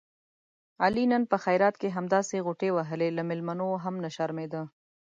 علي نن په خیرات کې همداسې غوټې وهلې، له مېلمنو هم نه شرمېدا.